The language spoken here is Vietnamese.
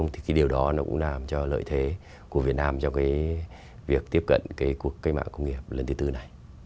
thì cái điều đó nó cũng làm cho lợi thế của việt nam trong cái việc tiếp cận cái cuộc cách mạng công nghiệp lần thứ tư này